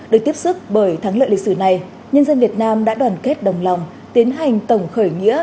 được tiếp sức bởi thắng lợi lịch sử này nhân dân việt nam đã đoàn kết đồng lòng tiến hành tổng khởi nghĩa